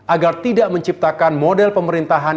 agar tidak menciptakan model pemerintahan